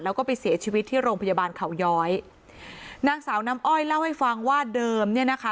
แล้วก็ไปเสียชีวิตที่โรงพยาบาลเขาย้อยนางสาวน้ำอ้อยเล่าให้ฟังว่าเดิมเนี่ยนะคะ